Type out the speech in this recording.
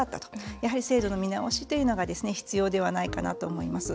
やはり制度の見直しというのが必要ではないかなと思います。